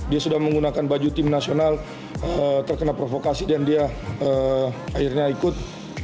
dia sudah menggunakan baju tim nasional terkena provokasi dan dia akhirnya ikut